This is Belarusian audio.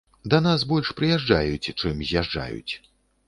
Да нас больш прыязджаюць, чым з'язджаюць.